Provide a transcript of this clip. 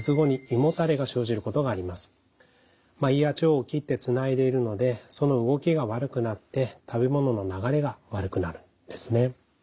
胃や腸を切ってつないでいるのでその動きが悪くなって食べ物の流れが悪くなるんですね。